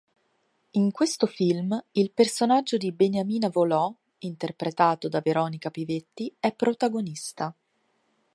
In questo film, il personaggio di Beniamina Volò, interpretato da Veronica Pivetti, è protagonista.